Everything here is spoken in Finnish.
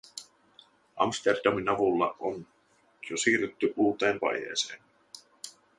Amsterdamin avulla on jo siirrytty uuteen vaiheeseen.